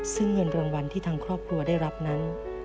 ซึ่งเงินรางวัลที่ทางครอบครัวได้รับนั้น